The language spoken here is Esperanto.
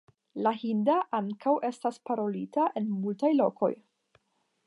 La hinda ankaŭ estas parolita en multaj lokoj.